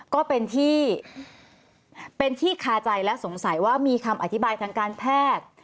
ก็เป็นที่เป็นที่คาใจและสงสัยว่ามีคำอธิบายทางการแพทย์